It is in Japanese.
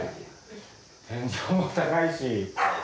天井も高いし。